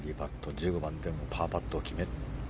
１５番でもパーパットを決めて。